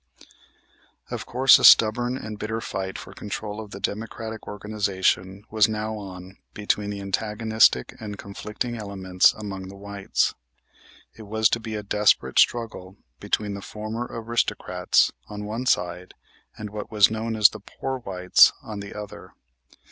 Of course a stubborn and bitter fight for control of the Democratic organization was now on between the antagonistic and conflicting elements among the whites. It was to be a desperate struggle between the former aristocrats, on one side, and what was known as the "poor whites," on the other.